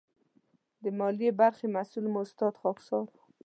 د مالي برخې مسؤل مو استاد خاکسار و.